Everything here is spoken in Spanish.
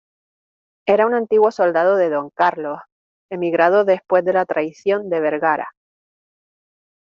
era un antiguo soldado de Don Carlos, emigrado después de la traición de Vergara.